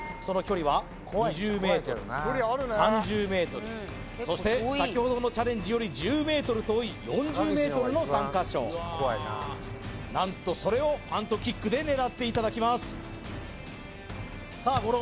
その距離は２０ｍ３０ｍそして先ほどのチャレンジより１０ｍ遠い４０ｍの３か所何とそれをパントキックで狙っていただきますさあ